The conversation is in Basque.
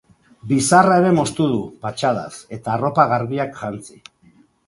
Bizarra ere moztu du, patxadaz, eta arropa garbiak jantzi.